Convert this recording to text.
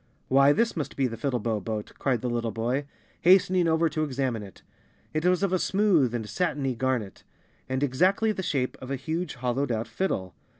" Why, this must be the Fiddlebow Boat," cried the little boy, hastening over to examine it. It was of a smooth and satiny garnet, and exactly the shape of a huge, hollowed out fiddle.